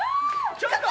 ちょっと！